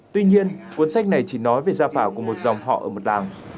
tuy nhiên cuốn sách này chỉ nói về gia phảo của một dòng họ ở một làng